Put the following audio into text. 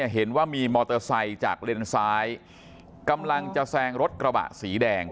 เห็นว่ามีมอเตอร์ไซค์จากเลนซ้ายกำลังจะแซงรถกระบะสีแดง